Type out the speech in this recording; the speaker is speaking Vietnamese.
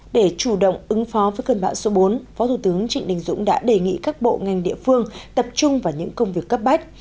để chủ động ứng phó với cơn bão số bốn phó thủ tướng trịnh đình dũng đã đề nghị các bộ ngành địa phương tập trung vào những công việc cấp bách